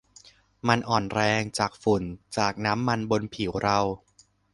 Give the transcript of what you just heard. มันอ่อนแรง จากฝุ่น จากน้ำมันบนผิวเรา